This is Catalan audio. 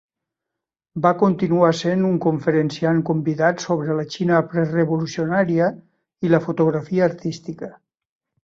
Va continuar sent un conferenciant convidat sobre la Xina prerevolucionària i la fotografia artística.